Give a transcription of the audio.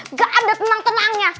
nggak ada tenang tenangnya